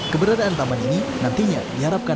keberadaan taman ini nantinya diharapkan